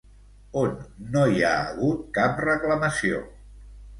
On no hi ha hagut cap reclamació?